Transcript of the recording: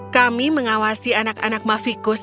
kami mengawasi anak anak mavikus